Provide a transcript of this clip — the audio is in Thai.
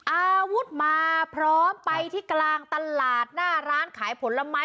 อาวุธมาพร้อมไปที่กลางตลาดหน้าร้านขายผลไม้